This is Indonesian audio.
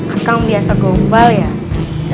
akang biasa gombal ya